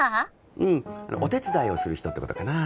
うんお手伝いをする人ってことかな